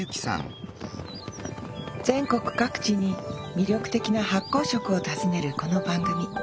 全国各地に魅力的な発酵食を訪ねるこの番組。